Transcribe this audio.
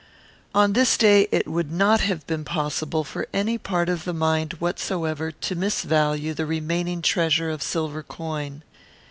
On this day it would not have been possible for any part of the mind whatsoever to misvalue the remaining treasure of silver coin.